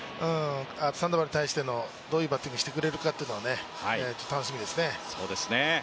サンドバルに対してどういうバッティングしてくれるか楽しみですね。